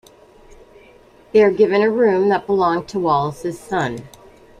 They are given a room that belonged to Wallace's son.